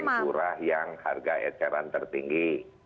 minyak goreng curah yang harga eceran tertinggi